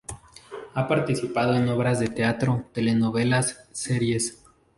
Ha participado en obras de teatro, telenovelas, series.